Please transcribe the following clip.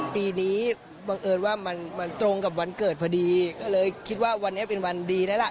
ปีนี้บังเอิญว่ามันตรงกับวันเกิดพอดีก็เลยคิดว่าวันนี้เป็นวันดีแล้วล่ะ